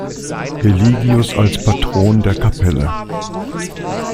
Eligius als Patron der Kapelle.